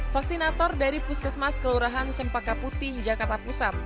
vaksinator dari puskesmas kelurahan cempaka putih jakarta pusat